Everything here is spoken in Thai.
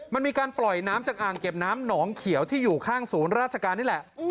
มันมีการปล่อยน้ำจากอ่างเก็บน้ำหนองเขียวที่อยู่ข้างศูนย์ราชการนี่แหละ